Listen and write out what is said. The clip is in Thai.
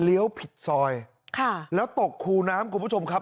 ผิดซอยค่ะแล้วตกคูน้ำคุณผู้ชมครับ